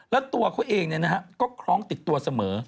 แล้วตัวเขาเองก็คล้องติดตัวเสมอ